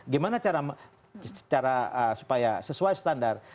gimana cara supaya sesuai standar